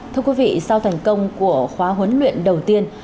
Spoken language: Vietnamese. thưa quý vị sau thành công của khóa huấn luyện đầu tiên